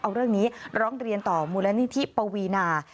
เอาเรื่องนี้ร้องเรียนต่อมูลนิธิปวีนา